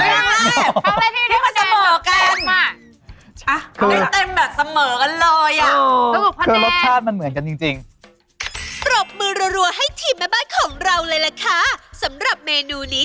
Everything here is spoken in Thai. แม่ว่าเหมือนอาหารเบรดิเกอร์เรเนียนหรืออาหารอะไรอย่างนี้